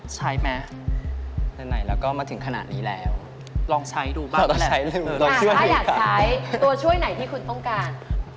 ใช้ไหมไหนแล้วก็มาถึงขนาดนี้แล้วลองใช้ดูบ้างนั่นแหละถ้าอยากใช้ตัวช่วยไหนที่คุณต้องการ